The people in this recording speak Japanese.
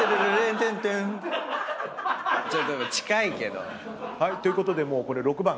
近いけど。ということでもう６番。